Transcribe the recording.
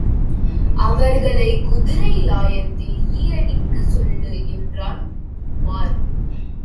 அவர்களை குதிரை லாயத்தில் ஈயடிக்கச் சொல்லு என்றான் உமார்.